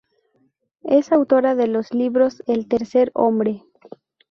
Es autora de los libros "El tercer hombre.